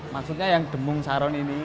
maksudnya yang demung saron ini